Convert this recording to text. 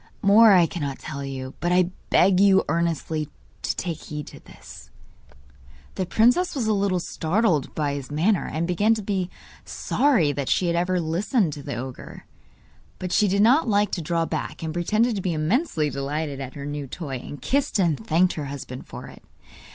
More I cannot tell you, but I beg you earnestly to take heed to this.' The princess was a little startled by his manner, and began to be sorry that she had every listened to the ogre. But she did not like to draw back, and pretended to be immensely delighted at her new toy, and kissed and thanked her husband for it.